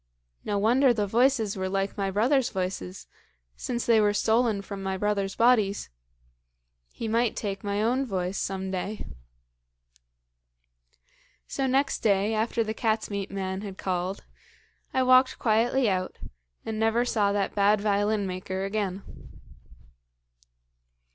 No wonder the voices were like my brothers' voices, since they were stolen from my brothers' bodies. He might take my own voice some day. "So next day, after the cat's meat man had called, I walked quietly out, and never saw that bad violin maker again.